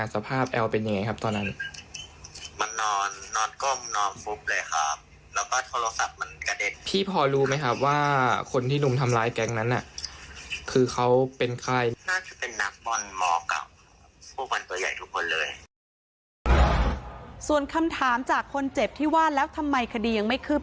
ส่วนคำถามจากคนเจ็บที่ว่าแล้วทำไมคดียังไม่คืบ